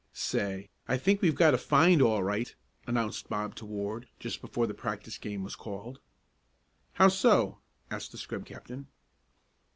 "Say, I think we've got a 'find' all right," announced Bob to Ward, just before the practice game was called. "How so?" asked the scrub captain.